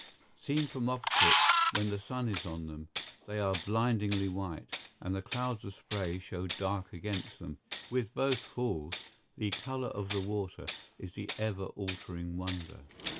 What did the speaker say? Seen from opposite, when the sun is on them, they are blindingly white, and the clouds of spray show dark against them. With both Falls the color of the water is the ever altering wonder.